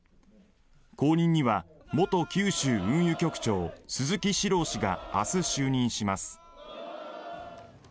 後任には元九州運輸局長鈴木史朗氏が明日就任します。